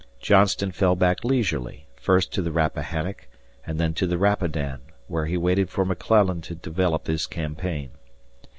Johnston fell back leisurely; first to the Rappahannock and then to the Rapidan, where he waited for McClellan to develop his campaign.